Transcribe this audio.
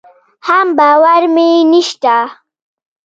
حم باور مې نشي.